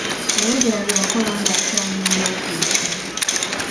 Yayogera bye yakola ng'akyali mu woofiisi.